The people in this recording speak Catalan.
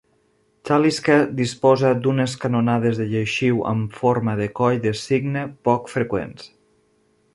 Talisker disposa d'unes canonades de lleixiu amb forma de coll de cigne poc freqüents.